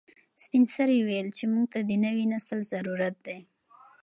سپین سرې وویل چې موږ ته د نوي نسل ضرورت دی.